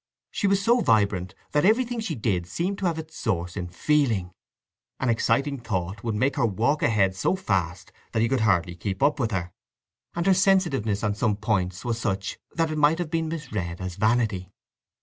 She was so vibrant that everything she did seemed to have its source in feeling. An exciting thought would make her walk ahead so fast that he could hardly keep up with her; and her sensitiveness on some points was such that it might have been misread as vanity.